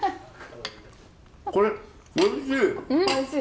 これおいしい！